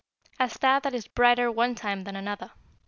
"A star that is brighter one time than another.